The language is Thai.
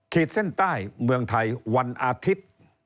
ขีดเส้นใต้เมืองไทยวันอาทิตย์